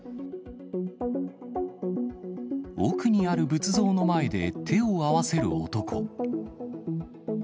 奥にある仏像の前で手を合わせる男。